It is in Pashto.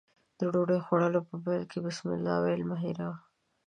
د ډوډۍ خوړلو په پیل کې بسمالله ويل مه هېروه.